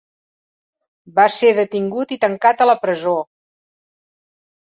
Va ser detingut i tancat a la presó